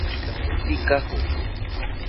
Karupi kahun.